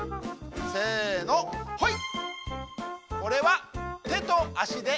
せのほい！